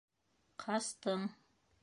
Ҡастың.